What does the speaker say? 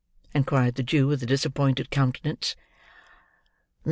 inquired the Jew, with a disappointed countenance.